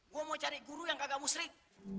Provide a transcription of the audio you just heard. gue mau cari guru yang kagak musrik